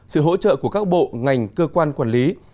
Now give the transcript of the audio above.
sự hỗ trợ của các bộ ngành cơ quan quản lý